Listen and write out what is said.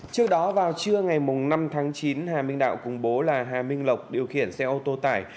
trước đó vào trưa ngày năm tháng chín hà minh đạo cùng bố là hà minh lộc điều khiển xe ô tô tải